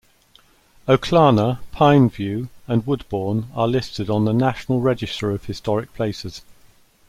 Oaklana, Pineview, and Woodbourne are listed on the National Register of Historic Places.